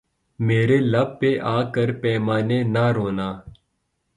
میرے لب پہ آ کر پیمانے نہ رونا